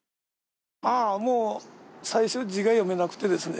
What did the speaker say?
もう最初字が読めなくてですね